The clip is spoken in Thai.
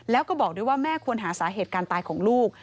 แล้วก็บอกด้วยว่าแม่ควรหาสาเหตุการณ์ตายของลูก